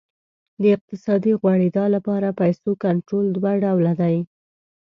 د اقتصادي غوړېدا لپاره پیسو کنټرول دوه ډوله دی.